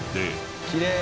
きれい。